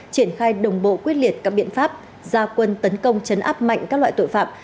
triển khai đồng bộ quyết liệt các biện pháp gia quân tấn công chấn áp mạnh các loại tội phạm